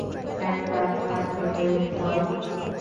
এক রাত না খেলে হয় কী?